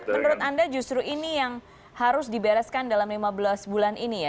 menurut anda justru ini yang harus dibereskan dalam lima belas bulan ini ya